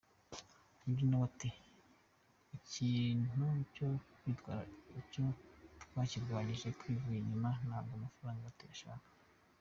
Undi nawe ati :”Iki kintu cyo twakirwanyije twivuye inyuma ntabwo amafaranga tuyashaka.